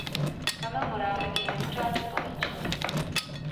Kamil Morávek je mimořádně plachý člověk.